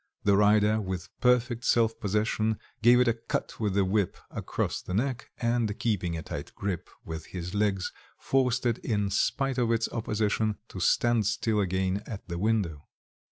The rider with perfect self possession gave it a cut with the whip across the neck, and keeping a tight grip with his legs forced it in spite of its opposition, to stand still again at the window.